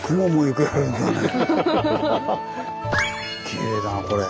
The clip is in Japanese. きれいだなこれ。